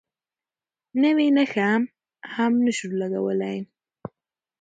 نوې نښه هم نه شو لګولی.